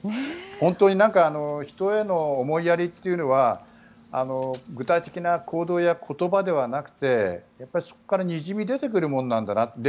本当に人への思いやりというのは具体的な行動や言葉ではなくてにじみ出てくるものなんだなと。